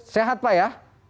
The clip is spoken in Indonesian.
sehat pak ya